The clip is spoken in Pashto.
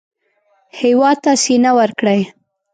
هېواد ته سینه ورکړئ